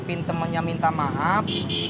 semua dosa orang yang minta maaf